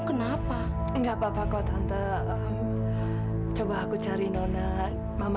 beda banget sama nona